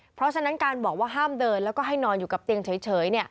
เพราะฉะนั้นการบอกว่าห้ามเดินแล้วก็ให้นอนอยู่กับเตียงเฉย